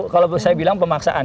kalau saya bilang pemaksaan